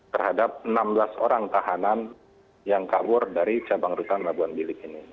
terhadap enam belas orang tahanan yang kabur dari cabang rutan labuan bilik ini